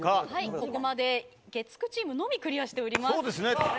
ここまで月９チームのみクリアしています。